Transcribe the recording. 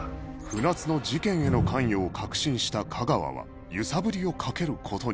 船津の事件への関与を確信した架川は揺さぶりをかける事に